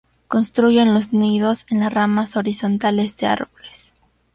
Construyen los nidos en las ramas horizontales de árboles.